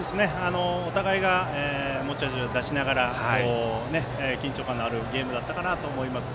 お互い持ち味を出しながら緊張感のあるゲームだったかなと思います。